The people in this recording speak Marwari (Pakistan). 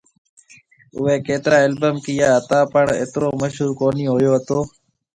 اوئي ڪترا البم ڪيئا ھتا پڻ اترو مشھور ڪونھيَََ ھوئو ھتو